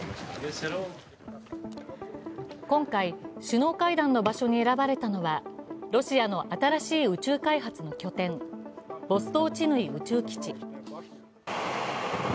今回、首脳会談の場所に選ばれたのはロシアの新しい宇宙開発の拠点、ボストーチヌイ宇宙基地。